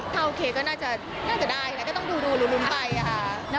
ถ้าโอเคก็น่าจะได้แล้วก็ต้องดูลุ้นไปค่ะ